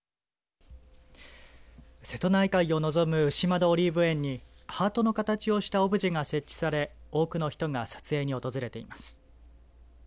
瀬戸内海を望む牛窓オリーブ園にハートの形をしたオブジェが設置され多くの人が撮影に訪れています。